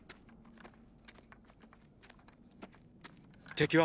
敵は？